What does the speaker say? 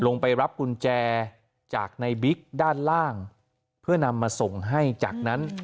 ลงไปรับกุญแจจากในบิ๊กด้านล่างเพื่อนำมาส่งให้จากนั้น